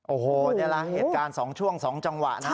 โอ้โหนี่แหละเหตุการณ์๒ช่วง๒จังหวะนะ